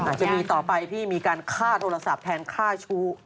จะมีต่อไปที่มีการฆ่าโทรศัพท์แทนค่าชู้